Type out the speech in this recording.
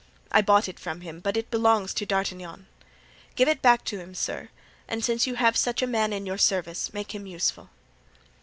I bought it from him, but it belongs to D'Artagnan. Give it back to him, sir, and since you have such a man in your service, make him useful."